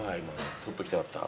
取っておきたかったな。